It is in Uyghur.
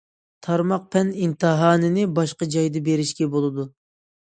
تارماق پەن ئىمتىھانىنى باشقا جايدا بېرىشكە بولىدۇ.